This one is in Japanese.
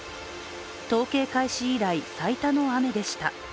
統計開始以来最多の雨でした。